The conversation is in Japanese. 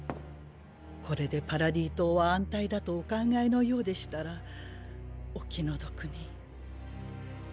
これでパラディ島は安泰だとお考えのようでしたらお気の毒に。